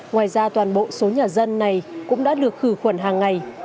ngoài ra toàn bộ số nhà dân này cũng đã được khử khuẩn hàng ngày